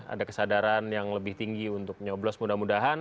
ada kesadaran yang lebih tinggi untuk nyoblos mudah mudahan